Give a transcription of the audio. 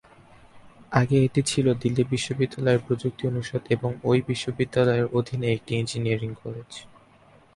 আগে এটি ছিল দিল্লি বিশ্ববিদ্যালয়ের প্রযুক্তি অনুষদ এবং ওই বিশ্ববিদ্যালয়ের অধীনে একটি ইঞ্জিনিয়ারিং কলেজ।